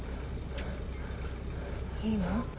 いいの？